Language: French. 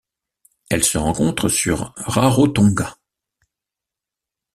Elle se rencontre sur Rarotonga.